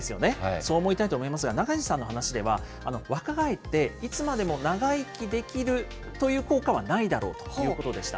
そう思いたいと思いますが、中西さんの話では、若返って、いつまでも長生きできるという効果はないだろうということでした。